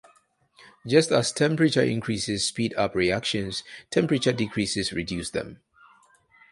Just as temperature increases speed up reactions, temperature decreases reduce them.